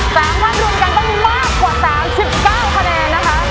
สามท่านรวมกันต้องมากกว่าสามสิบเก้าคะแนนนะคะ